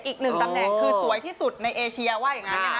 อีกหนึ่งตำแหน่งคือสวยที่สุดในเอเชียว่าอย่างนั้นนะคะ